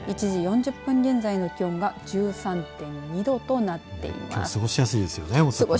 １時４０分現在の気温は１３．２度となっています。